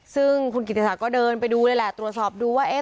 ซึ่งคุณกิติศักดิ์ก็เดินไปดูเลยแหละตรวจสอบดูว่าเอ๊ะ